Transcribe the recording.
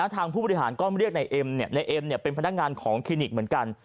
ผู้บริหารก็เรียกนายเอ็มนายเอ็มเป็นพนักงานของคลินิกเหมือนกัน